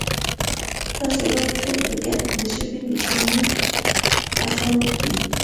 تاسو بايد ټول په گډه د ژبې د سمون هڅه وکړئ!